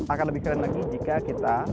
akan lebih keren lagi jika kita